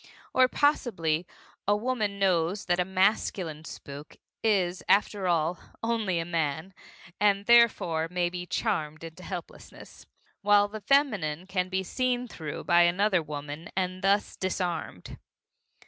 Or possibly a woman knows that a masculine spook is, after all, only a man, and therefore may be charmed into helplessness, while the feminine can be seen through by another woman and thus disarmed.